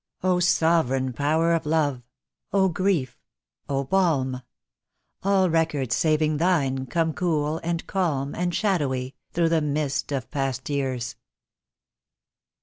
"O sovereign power of love! O grief! O balm! All records, saving thine, come cool, and calm, And shadowy, through the mist of passed years."